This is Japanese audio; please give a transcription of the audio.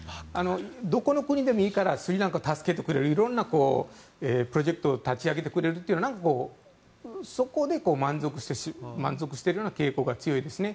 どこの国でもいいからスリランカを助けてくれる色んなプロジェクトを立ち上げてくれるというそこで満足してるような傾向が強いですね。